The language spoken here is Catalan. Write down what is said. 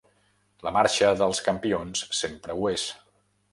La marxa dels campions sempre ho és.